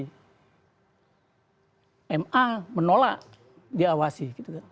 karena menolak diawasi